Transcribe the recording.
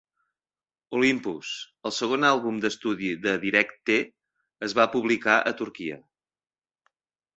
Olympos, el segon àlbum d'estudi de Direc-t, es va publicar a Turquia.